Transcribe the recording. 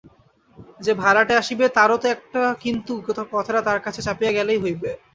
যে ভাড়াটে আসিবে তারও তো একটা–কিন্তু কথাটা তার কাছে চাপিয়া গেলেই হইবে।